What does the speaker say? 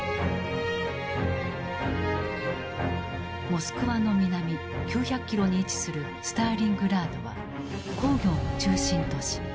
モスクワの南９００キロに位置するスターリングラードは工業の中心都市。